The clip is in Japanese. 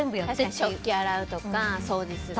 食器洗うとか、掃除するとか。